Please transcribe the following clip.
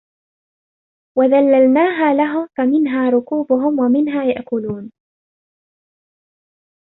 وَذَلَّلناها لَهُم فَمِنها رَكوبُهُم وَمِنها يَأكُلونَ